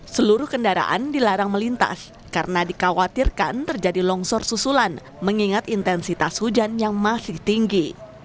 seluruh kendaraan dilarang melintas karena dikhawatirkan terjadi longsor susulan mengingat intensitas hujan yang masih tinggi